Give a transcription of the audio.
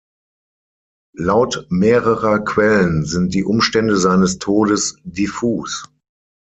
Laut mehrerer Quellen sind die Umstände seines Todes diffus.